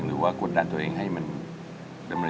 หรือว่ากดดตัวเองให้มัน